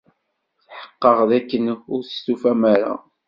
Tḥeqqeɣ d akken ur testufam ara.